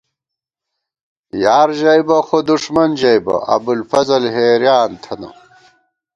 یار ژَئیبہ خو دُݭمن ژئیبہ ، ابوالفضل حېریان تھنہ